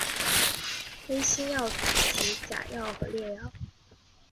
黑心药品即假药和劣药。